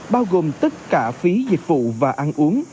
bao gồm tất cả phí dịch vụ và ăn uống